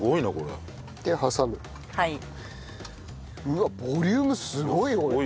うわっボリュームすごい多い。